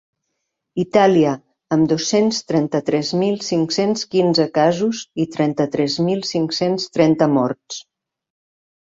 Itàlia, amb dos-cents trenta-tres mil cinc-cents quinze casos i trenta-tres mil cinc-cents trenta morts.